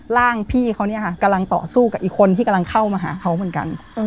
ร่างพี่เขาเนี่ยค่ะกำลังต่อสู้กับอีกคนที่กำลังเข้ามาหาเขาเหมือนกัน